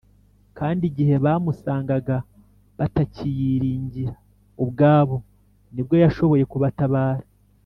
kandi igihe bamusangaga batakiyiringira ubwabo, ni bwo yashoboye kubatabara